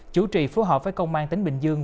chủ trì phố họp với công an tỉnh bình dương